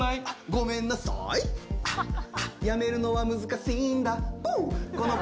ごめんなさーい、やめるのは難しいんだ。